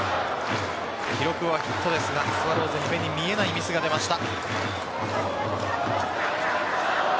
記録はヒットですがスワローズに目に見えないミスが出ました。